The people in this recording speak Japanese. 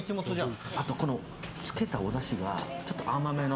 あと、このつけたおだしが甘めの。